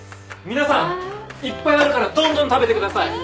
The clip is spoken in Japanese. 皆さんいっぱいあるからどんどん食べてください！